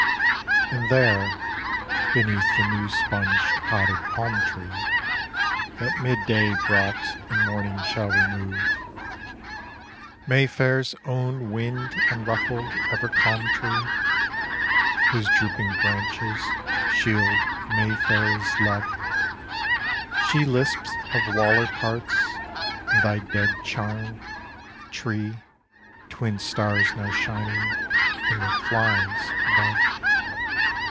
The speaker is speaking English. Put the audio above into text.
And there, beneath the new sponged potted palm tree, That mid day brought and morning shall remove Mayfair's own wind unruffled, ever calm tree, Whose drooping branches shield Mayfairies' love She lisps of Waller parts, and thy dead charm, Tree (Twin stars now shining in the "flies" above!)